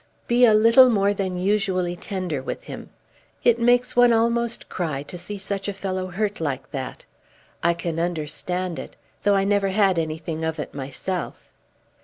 "Be a little more than usually tender with him. It makes one almost cry to see such a fellow hurt like that. I can understand it, though I never had anything of it myself."